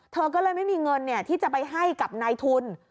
เธอก็เลยไม่มีเงินที่จะไปให้กับนายทุน